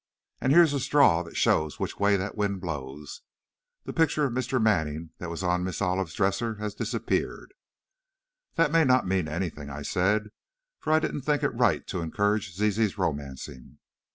And here's a straw to show which way that wind blows. The picture of Mr. Manning that was on Miss Olive's dresser has disappeared!" "That may not mean anything," I said, for I didn't think it right to encourage Zizi's romancing.